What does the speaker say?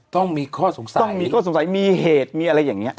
ต้องมีข้อสงสัยต้องมีข้อสงสัยมีเหตุมีอะไรอย่างนี้